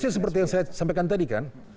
seperti yang saya sampaikan tadi kan